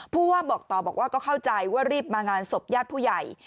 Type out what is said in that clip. ผู้ว่าบอกต่อบอกว่าก็เข้าใจว่ารีบมางานศพญาติผู้ใหญ่